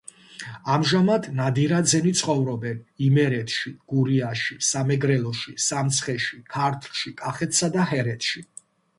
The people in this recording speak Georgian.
ამჟამად ნადირაძენი ცხოვრობენ: იმერეთში, გურიაში, სამეგრელოში, სამცხეში, ქართლში, კახეთსა და ჰერეთში.